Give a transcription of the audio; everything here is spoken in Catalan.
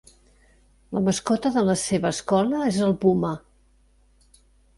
La mascota de la seva escola és el puma.